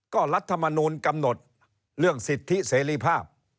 ก็รัฐมนูลกำหนดเรื่องสิทธิเสรีภาพ